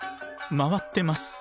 回ってます！